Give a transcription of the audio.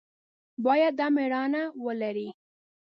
باید دا مېړانه ولري.